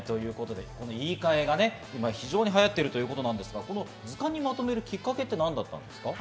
言いかえがね、今、非常に流行っているということですが、図鑑にまとめるきっかけって何だったんですか？